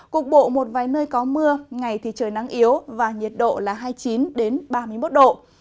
cục bộ một vài nơi có mưa ngày thì trời nắng yếu và nhiệt độ là hai mươi chín ba mươi một độ